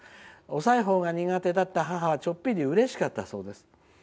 お裁縫が苦手だった母はちょっぴりうれしかったそうです」。